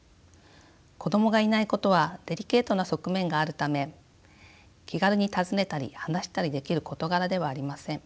子どもがいないことはデリケートな側面があるため気軽に尋ねたり話したりできる事柄ではありません。